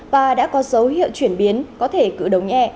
và đã có dấu hiệu chuyển biến có thể cử đồng e